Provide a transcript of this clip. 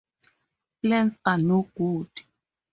Plans are no good.